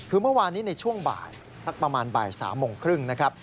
คือเมื่อวานนี้ในช่วงบ่ายสักประมาณบ่าย๓โมงครึ่งนะครับ